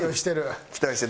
期待して。